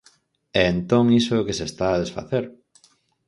E entón iso é o que se está a desfacer.